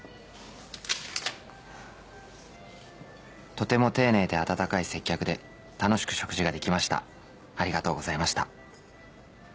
「とても丁寧で温かい接客で楽しく食事ができましたありがとうございました」